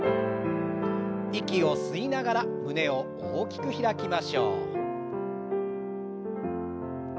息を吸いながら胸を大きく開きましょう。